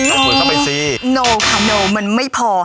ใส่ปุ๋ยเข้าไปซีโน่ค่ะโน่มันไม่พอ